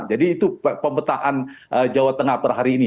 itu pemetaan jawa tengah per hari ini